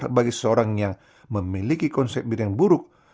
bahwa bagi seseorang yang memiliki konsep diri yang buruk